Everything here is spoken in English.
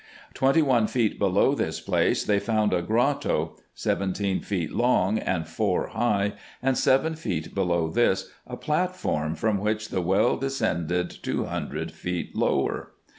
Twenty one feet below this place they found a grotto, seventeen feet long and four high ; and seven feet below this, a platform, from which the well descended two hundred feet lower.